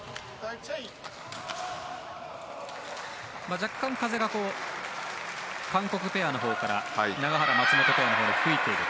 若干、風が韓国ペアのほうから永原、松本ペアのほうに吹いている。